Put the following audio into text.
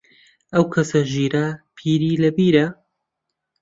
ئەو کەسە ژیرە، پیری لە بیرە